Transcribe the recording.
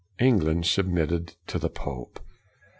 England submitted to the pope.